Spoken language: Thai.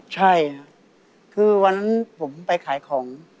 ใช่ค่ะคือวันนั้นผมไปขายของ